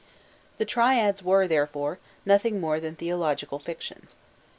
The triads were, therefore, nothing more than theological fictions.